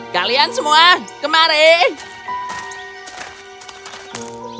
kalian semua kemari